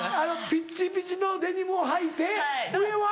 ピッチピチのデニムをはいて上は？